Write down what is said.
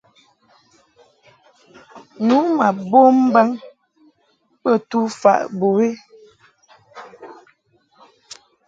Nu ma bom mbaŋ bə tufaʼ bɨwi.